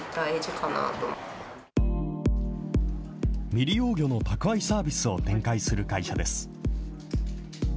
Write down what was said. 未利用魚の宅配サービスを展開する会社です。